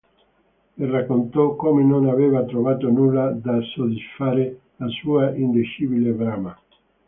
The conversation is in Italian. E raccontò come non aveva trovato nulla da soddisfare la sua indicibile brama.